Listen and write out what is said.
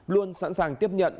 luôn sẵn sàng tiếp nhận